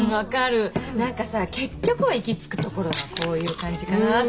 何かさ結局は行き着くところはこういう感じかなってね。